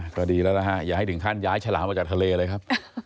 ก็ดีแล้วนะฮะอย่าให้ถึงขั้นย้ายฉลามมาจากทะเลเลยครับ